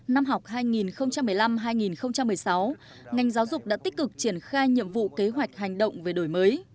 năm học hai nghìn một mươi năm hai nghìn một mươi sáu ngành giáo dục đã tích cực triển khai nhiệm vụ kế hoạch hành động về đổi mới